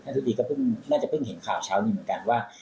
ท่านทุกทีก็น่าจะเพิ่งเห็นข่าวเช้านี้เหมือนกันว่า